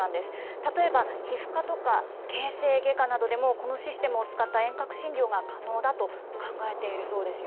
例えば皮膚科とか形成外科などでも、このシステムを使った遠隔診療が可能だと考えているそうです